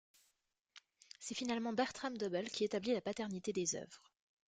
C’est finalement Bertram Dobell qui établit la paternité des œuvres.